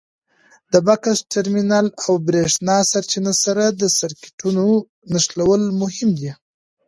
د بکس ټرمینل او برېښنا سرچینې سره د سرکټونو نښلول مهم دي.